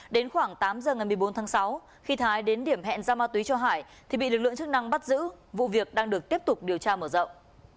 đến khoảng tám giờ ngày một mươi bốn tháng sáu khi thái đến điểm hẹn giao ma túy cho hải thì bị lực lượng chức năng bắt giữ vụ việc đang được tiếp tục điều tra mở rộng